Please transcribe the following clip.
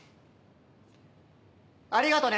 ありがとね。